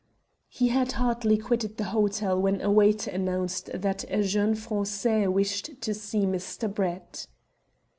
He had hardly quitted the hotel when a waiter announced that a jeune Français wished to see Mr. Brett.